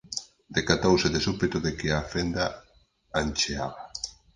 Decatouse de súpeto de que a fenda ancheaba.